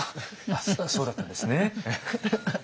そそうだったんですね。